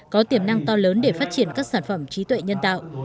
có tiềm năng to lớn để phát triển các sản phẩm trí tuệ nhân tạo